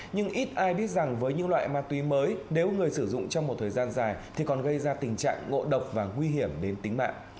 nhưng ít ai biết rằng với những loại ma túy mới nếu người sử dụng trong một thời gian dài thì còn gây ra tình trạng ngộ độc và nguy hiểm đến tính mạng